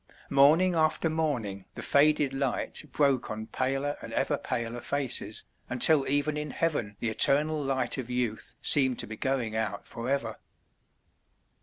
Morning after morning the faded light broke on paler and ever paler faces, until even in heaven the eternal light of youth seemed to be going out forever.